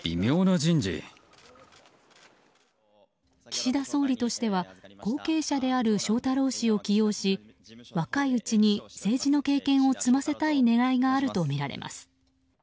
岸田総理としては後継者である翔太郎氏を起用し若いうちに政治の経験を積ませたい狙いがあるとみられます。